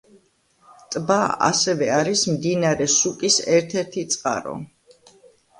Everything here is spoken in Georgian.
ტბა, ასევე, არის მდინარე სუკის ერთ-ერთი წყარო.